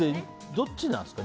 どっちなんですか？